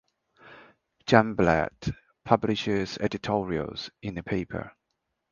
Jumblatt publishes editorials in the paper.